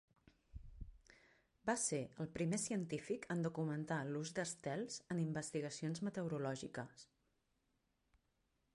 Va ser el primer científic en documentar l'ús d'estels en investigacions meteorològiques.